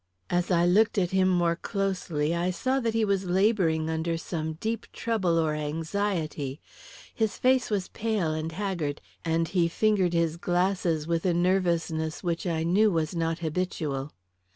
As I looked at him more closely, I saw that he was labouring under some deep trouble or anxiety. His face was pale and haggard, and he fingered his glasses with a nervousness which I knew was not habitual.